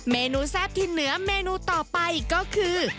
เมนูแซ่บที่เหนือเมนูต่อไปก็คือ